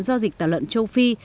do dịch tả lợn châu phi